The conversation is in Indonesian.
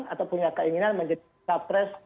atau punya keinginan menjadi capres